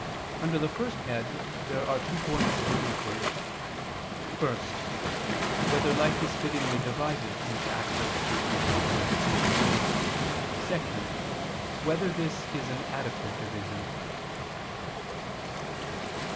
Under the first head there are two points of inquiry: (1) Whether life is fittingly divided into active and contemplative? (2) Whether this is an adequate division?